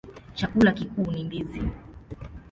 Chakula kikuu ni ndizi.